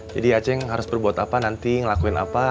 jadi ceng harus berbuat apa nanti ngelakuin apa